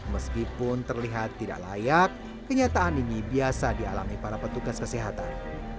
meskipun terlihat tidak layak kenyataan ini biasa dialami para petugas kesehatan